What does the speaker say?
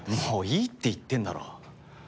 もういいって言ってんだろ。